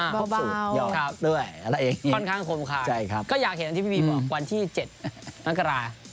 ครับครับค่อนข้างคมคาดก็อยากเห็นที่พี่บีบบอกวันที่๗นักกราศ